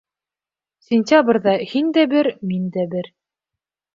Сентябрҙә һин дә бер, мин дә бер